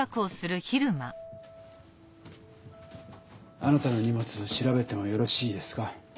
あなたの荷物調べてもよろしいですか？